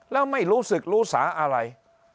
แล้วไม่รู้สึกรู้สาอะไร